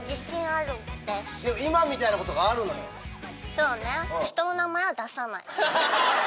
そうね。